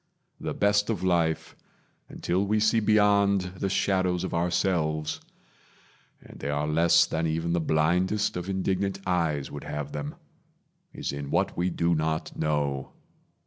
The best of life, until we see beyond The shadows of ourselves (and they are less Than even the blindest of indignant eyes Would have them) is in what we do not know.